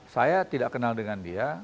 saya tidak kenal dengan dia